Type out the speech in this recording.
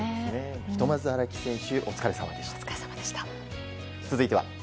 ひとまず荒木選手お疲れ様でした。